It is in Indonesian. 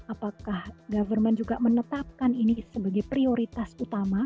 apakah government juga menetapkan ini sebagai prioritas utama